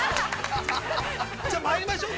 じゃあ、まいりましょうか。